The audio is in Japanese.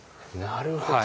なるほど。